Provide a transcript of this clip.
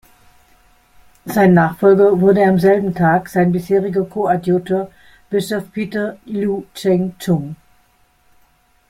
Sein Nachfolger wurde am selben Tag sein bisheriger Koadjutor, Bischof Peter Liu Cheng-chung.